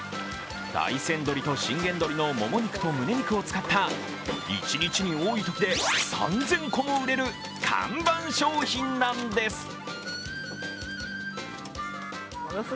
大山どりと信玄どりのもも肉とむね肉を使った一日に多いときで３０００個も売れる看板商品なんです。